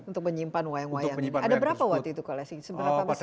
untuk menyimpan wayang wayang ini ada berapa waktu itu koleksi seberapa besar